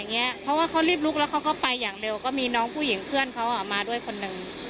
เพราะว่าเขารีบลุกแล้วเขาก็ไปอย่างเร็วก็มีน้องผู้หญิงเพื่อนเขามาด้วยคนหนึ่ง